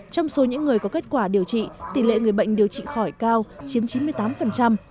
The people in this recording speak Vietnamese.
trong số những người có kết quả điều trị tỷ lệ người bệnh điều trị khỏi cao chiếm chín mươi tám